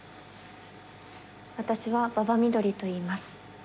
私は馬場翠といいます。